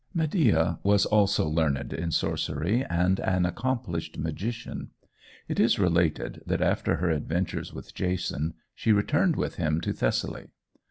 Medea was also learned in sorcery and an accomplished magician. It is related that, after her adventures with Jason, she returned with him to Thessaly.